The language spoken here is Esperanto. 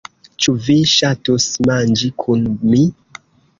Ĉu vi ŝatus manĝi kun mi?